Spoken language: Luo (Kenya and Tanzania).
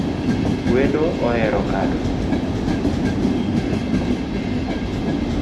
Wendo ohero kado